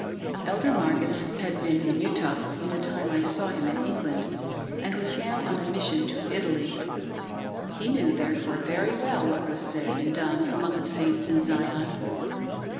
Elder Margetts had been in Utah from the time I saw him in England, and was now on a mission to Italy. He knew, therefore, very well what was said and done among the Saints in Zion.